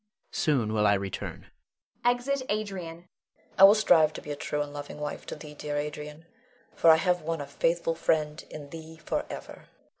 Soon will I return. [Exit Adrian. Leonore. I will strive to be a true and loving wife to thee, dear Adrian; for I have won a faithful friend in thee forever.